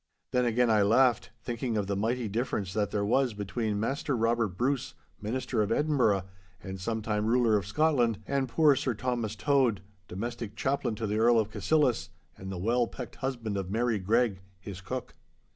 Then again I laughed, thinking of the mighty difference that there was between Maister Robert Bruce, Minister of Edinburgh and sometime ruler of Scotland, and poor Sir Thomas Tode, domestic chaplain to the Earl of Cassillis and the well pecked husband of Mary Greg, his cook.